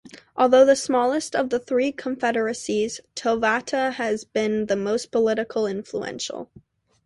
Although the smallest of the three confederacies, Tovata has been the most politically influential.